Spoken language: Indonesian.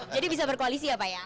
jadi bisa berkoalisi ya pak ya